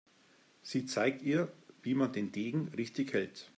Sie zeigt ihr, wie man den Degen richtig hält.